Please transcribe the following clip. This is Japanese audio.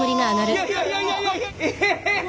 いやいやいやいや。